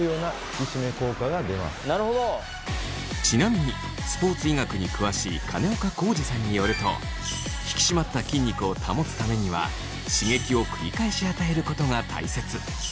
ちなみにスポーツ医学に詳しい金岡恒治さんによると引き締まった筋肉を保つためには刺激を繰り返し与えることが大切。